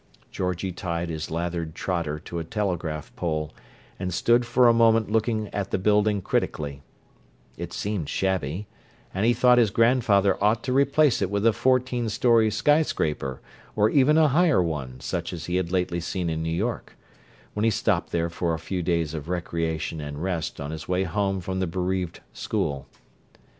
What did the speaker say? Georgie tied his lathered trotter to a telegraph pole, and stood for a moment looking at the building critically: it seemed shabby, and he thought his grandfather ought to replace it with a fourteen story skyscraper, or even a higher one, such as he had lately seen in New York—when he stopped there for a few days of recreation and rest on his way home from the bereaved school.